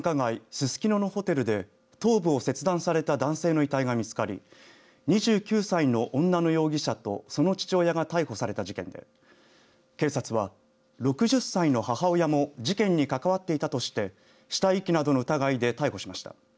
ススキノのホテルで頭部を切断された男性の遺体が見つかり２９歳の女の容疑者とその父親が逮捕された事件で警察は６０歳の母親も事件に関わっていたとして死体遺棄などの疑いで逮捕しました。